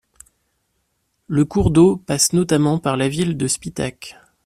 Le cours d'eau passe notamment par la ville de Spitak.